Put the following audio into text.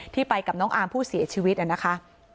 ไปกับน้องอาร์มผู้เสียชีวิตนะคะ